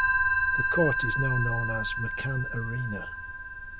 The court is now known as McCann Arena.